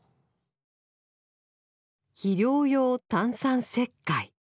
「肥料用炭酸石灰」。